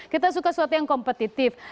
kita suka yang kompetitif